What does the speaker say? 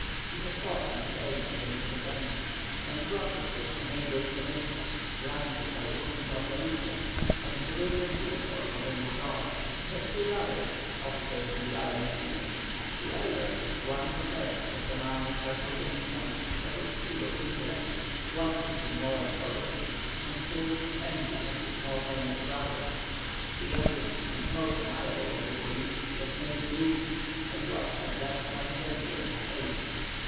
He had fought in Spain against the French, and brought with him a major's commission, granted by the Junta of Galicia, and the brilliant uniform of an hussar. He had two brothers, officers in the army of Chile. The elder, Juan José, was a man of herculean strength, but of feeble intellect, wanting in moral courage, and full of envy of his more talented brother. The youngest and most amiable of the three, was named Luis, and was at that time twenty years of age.